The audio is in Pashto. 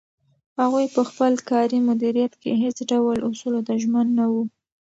هغوی په خپل کاري مدیریت کې هیڅ ډول اصولو ته ژمن نه وو.